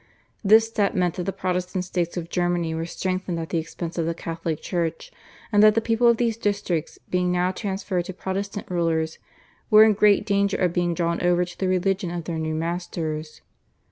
This step meant that the Protestant states of Germany were strengthened at the expense of the Catholic Church, and that the people of these districts being now transferred to Protestant rulers were in great danger of being drawn over to the religion of their new masters.